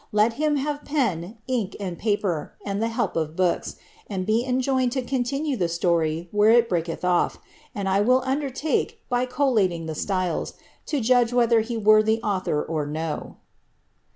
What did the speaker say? Let him have pen, ink, and paper, and the help of books, and be enjoined to continue the story where it breaketh off, and I will undertake, by collating the styles, to judge whether he were the author or no."'